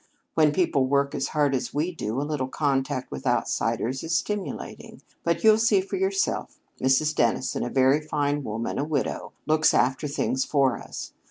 When people work as hard as we do, a little contact with outsiders is stimulating. But you'll see for yourself. Mrs. Dennison, a very fine woman, a widow, looks after things for us.